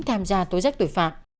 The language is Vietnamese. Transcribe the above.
tham gia tối giác tội phạm